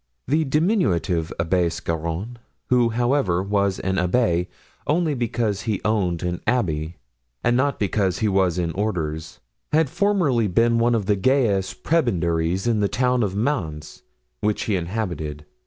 The diminutive Abbé Scarron, who, however, was an abbé only because he owned an abbey, and not because he was in orders, had formerly been one of the gayest prebendaries in the town of Mans, which he inhabited.